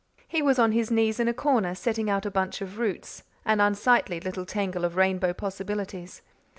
He was on his knees in a corner, setting out a bunch of roots an unsightly little tangle of rainbow possibilities.